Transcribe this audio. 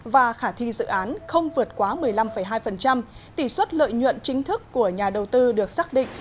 và khả thi dự án không vượt quá một mươi năm hai tỷ xuất lợi nhuận chính thức của nhà đầu tư được xác định